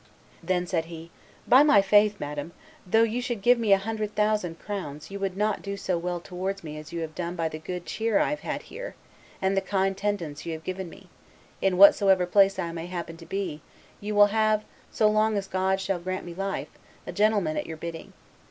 Then said he, 'By my faith, madam, though you should give me a hundred thousand crowns, you would not do so well towards me as you have done by the good cheer I have had here, and the kind tendance you have given me; in whatsoever place I may happen to be, you will have, so long as God shall grant me life, a gentleman at your bidding.